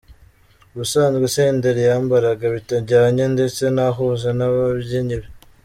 Ubusanzwe Senderi yambaraga bitajyanye ndetse ntahuze n’ababyinnyi be .